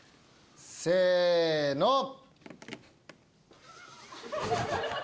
せの！